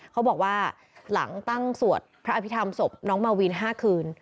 เขาบอกว่าหลังตั้งสวดพระอภิษฐรรมศพน้องมาวิน๕คืน